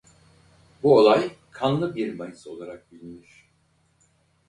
Bu olay Kanlı bir Mayıs olarak bilinir.